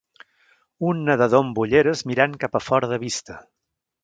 Un nedador amb ulleres mirant cap a fora de vista